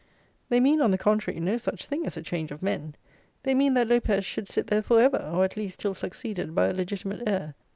They mean, on the contrary, no such thing as a change of men. They mean that Lopez should sit there for ever; or, at least, till succeeded by a legitimate heir.